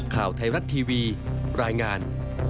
ข่าวไทยรัฐทีวีรายงาน